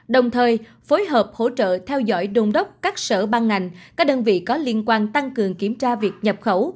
đồng thời phối hợp hỗ trợ theo dõi đồn đốc các sở ban ngành các đơn vị có liên quan tăng cường kiểm tra việc nhập khẩu